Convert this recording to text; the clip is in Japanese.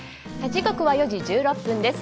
時刻は４時１６分です。